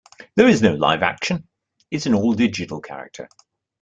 There is no live action; it's an all-digital character.